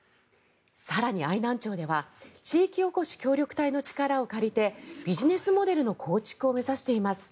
更に、愛南町では地域おこし協力隊の力を借りてビジネスモデルの構築を目指しています。